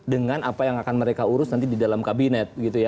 dengan apa yang akan mereka urus nanti di dalam kabinet